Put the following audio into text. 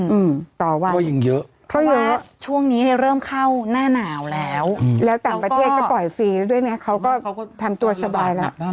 อืมต่อวันเพราะว่าช่วงนี้เริ่มเข้าหน้าหนาวแล้วแล้วต่างประเทศก็ปล่อยฟรีด้วยนะเขาก็ทำตัวสบายแล้ว